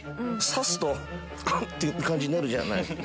刺すとガン！って行く感じになるじゃない。